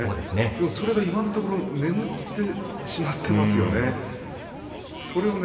それが今のところ眠ってしまっているような感じですね。